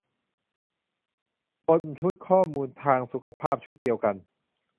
บนชุดข้อมูลทางสุขภาพชุดเดียวกัน